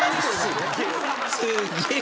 すっげえ